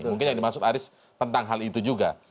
mungkin yang dimaksud aris tentang hal itu juga